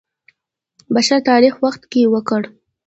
بشر تاریخ وخت کې وکړ.